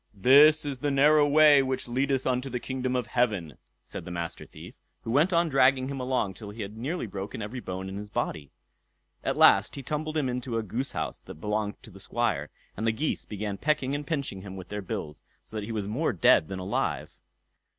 "This is the narrow way which leadeth unto the kingdom of heaven", said the Master Thief, who went on dragging him along till he had nearly broken every bone in his body. At last he tumbled him into a goose house that belonged to the Squire, and the geese began pecking and pinching him with their bills, so that he was more dead than alive.